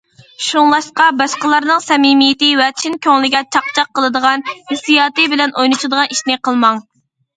شۇڭلاشقا، باشقىلارنىڭ سەمىمىيىتى ۋە چىن كۆڭلىگە چاقچاق قىلىدىغان، ھېسسىياتى بىلەن ئوينىشىدىغان ئىشىنى قىلماڭ.